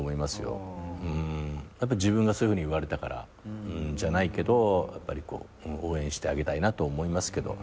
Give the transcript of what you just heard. やっぱ自分がそういうふうに言われたからじゃないけどやっぱり応援してあげたいと思いますけど。